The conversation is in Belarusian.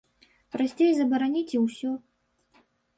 Прасцей забараніць і ўсё.